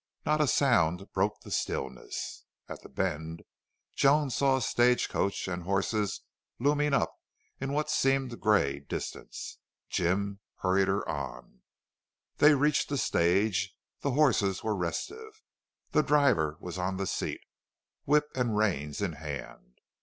Not a sound broke the stillness. At the bend Joan saw a stage coach and horses looming up in what seemed gray distance. Jim hurried her on. They reached the stage. The horses were restive. The driver was on the seat, whip and reins in hand.